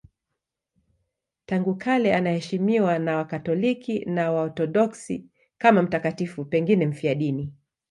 Tangu kale anaheshimiwa na Wakatoliki na Waorthodoksi kama mtakatifu, pengine mfiadini.